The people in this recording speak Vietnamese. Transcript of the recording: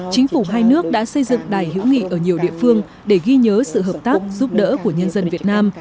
chính phủ hai nước đã xây dựng đài hữu nghị ở nhiều địa phương để ghi nhớ sự hợp tác giúp đỡ của nhân dân việt nam